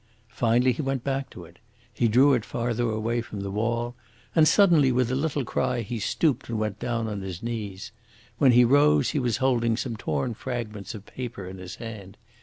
Finally he went back to it; he drew it farther away from the wall, and suddenly with a little cry he stooped and went down on his knees. When he rose he was holding some torn fragments of paper in his hand.